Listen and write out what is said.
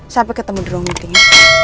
sampai ketemu di ruang meetingnya